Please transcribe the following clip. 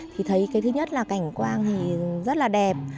thì thấy cái thứ nhất là cảnh quang thì rất là đẹp